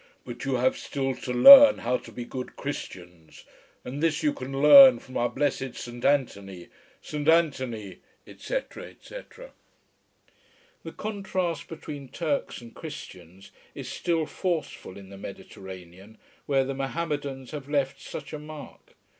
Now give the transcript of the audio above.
But you have still to learn how to be good Christians. And this you can learn from our blessed Saint Anthony. Saint Anthony, etc., etc...." The contrast between Turks and Christians is still forceful in the Mediterranean, where the Mohammedans have left such a mark.